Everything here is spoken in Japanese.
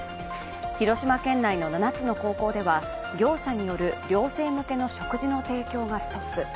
広島県内の７つの高校では業者による寮生向けの食事の提供がストップ。